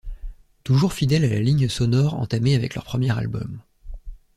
Toujours fidèles à la ligne sonore entamée avec leur premier album.